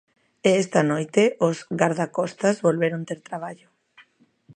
E esta noite os gardacostas volveron ter traballo.